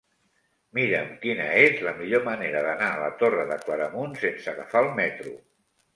Mira'm quina és la millor manera d'anar a la Torre de Claramunt sense agafar el metro.